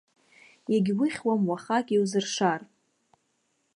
Егьухьуам уахак иузыршар!